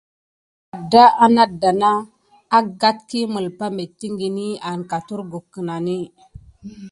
Ka adon anada agaɗɗa yi melipa metikini an katurhu kenani.